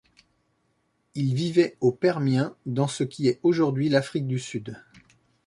Il vivait au Permien dans ce qui est aujourd'hui l'Afrique du Sud.